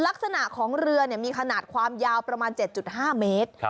ลักษณะของเรือมีขนาดความยาวประมาณ๗๕เมตร